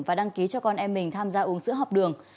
và đăng ký cho con em mình tham gia uống sữa học đường